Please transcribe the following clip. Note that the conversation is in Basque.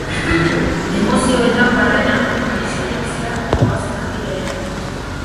Emozioetan barrena, paisaian zehar goazen aldi berean.